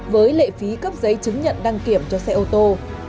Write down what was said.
với lệ phí cấp giấy chứng nhận đăng kiểm cho xe ô tô